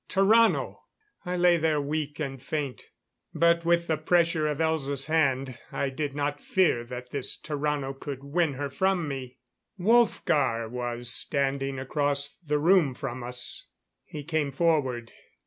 Tarrano! I lay there weak and faint; but with the pressure of Elza's hand, I did not fear that this Tarrano could win her from me. Wolfgar was standing across the room from us. He came forward.